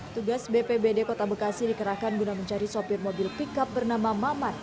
tugas bpbd kota bekasi dikerahkan guna mencari sopir mobil pickup bernama mamat